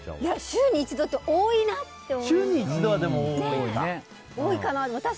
週に一度って多いなって思いました。